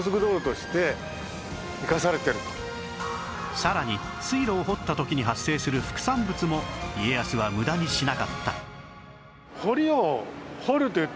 さらに水路を掘った時に発生する副産物も家康は無駄にしなかった